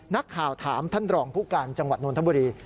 นักข่าวถามท่านรองผู้การจังหวัดนทบุรี